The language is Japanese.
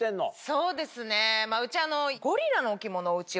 そうですねうち。